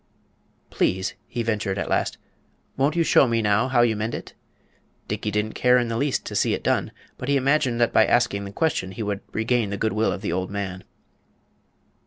"Please," he ventured at last, "won't you show me now how you mend it?" Dickey didn't care in the least to see it done, but he imagined that by asking the question he would regain the good will of the old man.